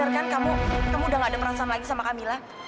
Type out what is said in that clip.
kan kamu nemu udah gak ada perasaan lagi sama kamila